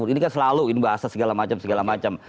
ini kan selalu ini bahasa segala macam segala macam